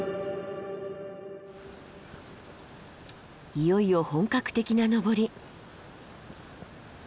いよいよ本格的な登り。